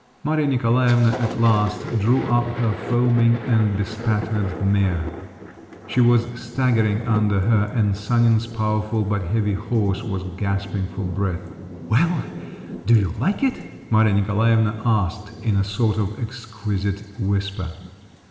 Maria Nikolaevna at last drew up her foaming and bespattered mare; she was staggering under her, and Sanin's powerful but heavy horse was gasping for breath. "Well, do you like it?" Maria Nikolaevna asked in a sort of exquisite whisper.